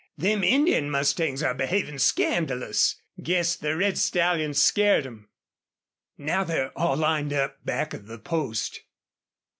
Them Indian mustangs are behavin' scandalous. Guess the red stallion scared 'em. Now they're all lined up back of the post....